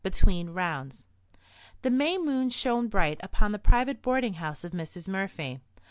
BETWEEN ROUNDS The May moon shone bright upon the private boarding house of Mrs. Murphy.